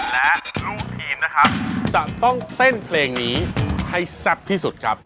และลูกทีมนะครับจะต้องเต้นเพลงนี้ให้แซ่บที่สุดครับ